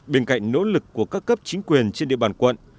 bên cạnh nỗ lực của các cấp chính quyền trên địa bàn quận